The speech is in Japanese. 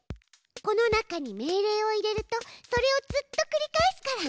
この中に命令を入れるとそれをずっとくり返すから。